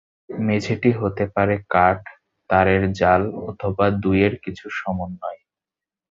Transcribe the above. মেঝেটি হতে পারে কাঠ, তারের জাল অথবা দুইয়ের কিছু সমন্বয়।